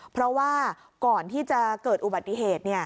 เพราะว่าก่อนที่จะเกิดอุบัติเหตุ